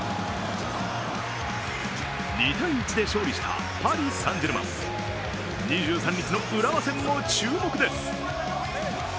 ２−１で勝利したパリ・サン＝ジェルマン、２３日の浦和戦も注目です。